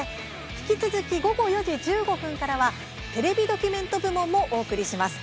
引き続き、午後４時１５分からはテレビドキュメント部門もお送りします。